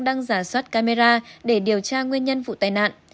đang giả soát camera để điều tra nguyên nhân vụ tai nạn